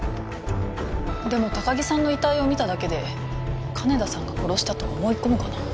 でも高城さんの遺体を見ただけで金田さんが殺したと思い込むかな？